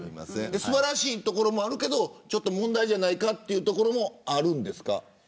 素晴らしいところもあるけどちょっと問題というところもあるんですか。